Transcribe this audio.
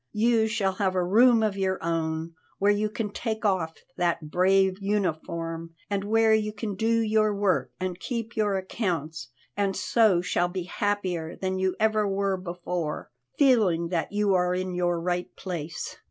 You shall have a room of your own, where you can take off that brave uniform and where you can do your work and keep your accounts and so shall be happier than you ever were before, feeling that you are in your right place."